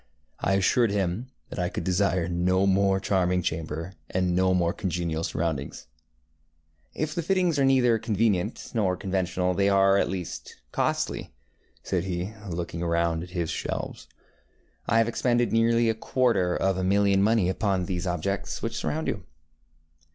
I assured him that I could desire no more charming chamber, and no more congenial surroundings. ŌĆ£If the fittings are neither convenient nor conventional, they are at least costly, ŌĆØ said he, looking round at his shelves. ŌĆ£I have expended nearly a quarter of a million of money upon these objects which surround you.